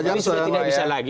jadi sudah tidak bisa lagi